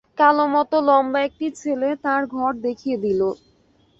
কালোমতো লম্বা একটি ছেলে তাঁর ঘর দেখিয়ে দিল।